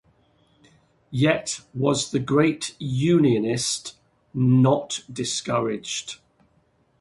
Yet was the great "unionist" not discouraged.